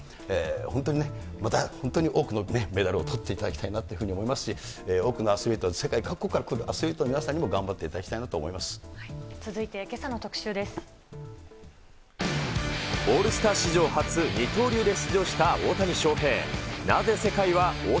本当にね、また本当に多くのメダルをとっていただきたいなというふうに思いますし、多くのアスリートが、世界各国から来るアスリートの皆さんにも頑張っていただきたいな続いて、けさの特シューです。